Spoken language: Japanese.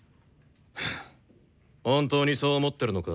はぁ本当にそう思ってるのか？